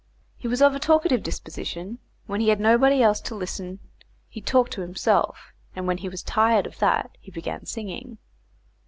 He was of a talkative disposition; when he had nobody else to listen he talked to himself, and when he was tired of that he began singing.